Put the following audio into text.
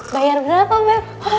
bayar berapa beb